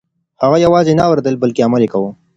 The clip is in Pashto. هغې یوازې نه اورېدل بلکه عمل یې کاوه.